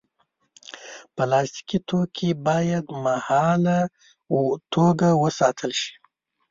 پلاستيکي توکي باید مهاله توګه وساتل شي.